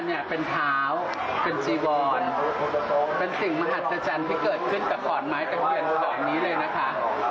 เนี่ยเป็นเท้าเป็นจีวอนเป็นสิ่งมหัศจรรย์ที่เกิดขึ้นกับขอนไม้ตะเคียนแบบนี้เลยนะคะ